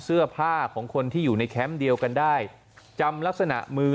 เสื้อผ้าของคนที่อยู่ในแคมป์เดียวกันได้จำลักษณะมือ